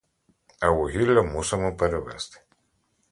А вугілля мусимо привезти.